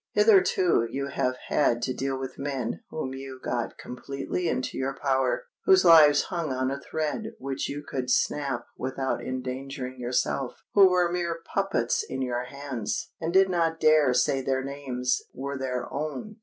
"Hitherto you have had to deal with men whom you got completely into your power—whose lives hung on a thread which you could snap without endangering yourself—who were mere puppets in your hands, and did not dare say their names were their own.